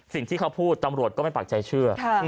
สิ่งที่เขาพูดตำรวจก็ไม่ปากใจเชื่อ